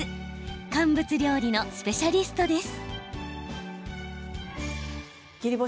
乾物料理のスペシャリストです。